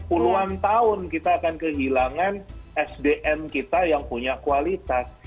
puluhan tahun kita akan kehilangan sdm kita yang punya kualitas